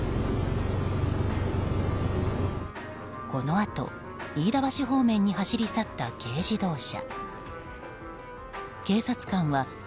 このあと飯田橋方面に走り去った軽自動車。